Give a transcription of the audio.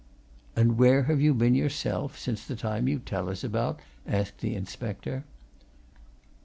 "And where have you been, yourself, since the time you tell us about?" asked the inspector.